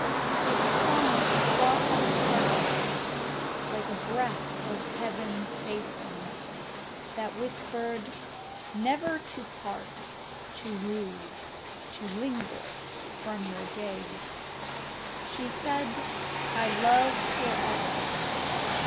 It sung across his heart strings like a breath Of Heaven's faithfulness, that whispered "Never To part, to lose, to linger from your gaze." She said, "I love for ever."